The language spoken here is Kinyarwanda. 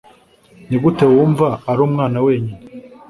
Nigute wumva ari umwana wenyine?